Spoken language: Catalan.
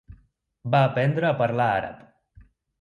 Va aprendre a parlar àrab.